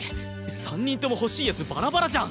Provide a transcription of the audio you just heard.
３人とも欲しい奴バラバラじゃん！